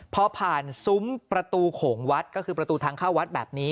พอผ่านซุ้มประตูโขงวัดก็คือประตูทางเข้าวัดแบบนี้